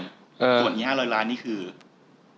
ตรวนกี่๕๐๐ล้านนี่คือไง